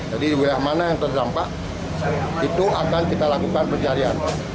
jadi wilayah mana yang terdampak itu akan kita lakukan pencarian